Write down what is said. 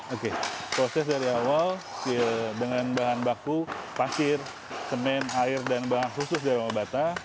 oke proses dari awal dengan bahan baku pasir kemen air dan bahan khusus dari obata